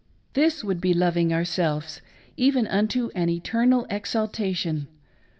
This would be loving ourselves even unto an eternal exaltation.